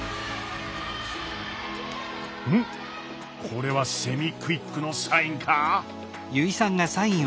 これはセミクイックのサインか？